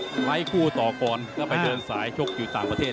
ไว้คู่ต่อก่อนก็ไปเดินสายชกอยู่ต่างประเทศ